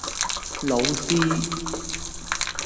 老師